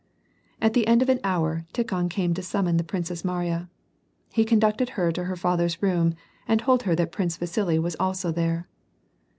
At the end of an hour, Tikhoncame to summon the Princess Mariya, He conducted her to her father's rooju and told her that Prince Vasili was also there.